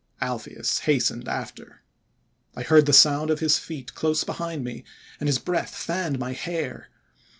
Alpheus hastened after. I heard the sound of his feet close behind me, and his breath fanned my hair.